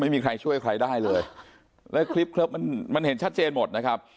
ไม่มีใครช่วยใครได้เลยแล้วคลิปครับมันมันเห็นชัดเจนหมดนะครับ